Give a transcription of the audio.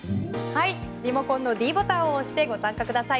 リモコンのｄボタンを押してご参加ください。